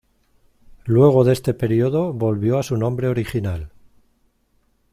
Luego de este periodo volvió a su nombre original.